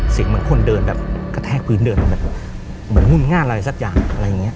เหมือนคนเดินแบบกระแทกพื้นเดินมาแบบเหมือนงุ่นง่านอะไรสักอย่างอะไรอย่างเงี้